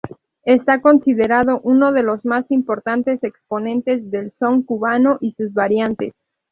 Está considerado uno de los más importantes exponentes del son cubano y sus variantes.